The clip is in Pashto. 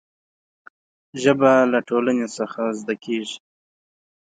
ژبه له ټولنې څخه زده کېږي.